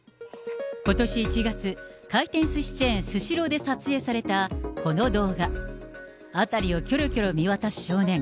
ことし１月、回転すしチェーン、スシローで撮影されたこの動画。辺りをきょろきょろ見渡す少年。